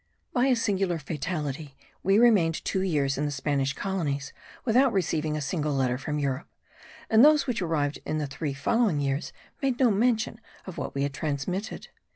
By a singular fatality, we remained two years in the Spanish colonies without receiving a single letter from Europe; and those which arrived in the three following years made no mention of what we had transmitted.